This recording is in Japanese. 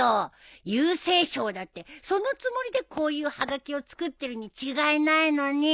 郵政省だってそのつもりでこういうはがきを作ってるに違いないのに。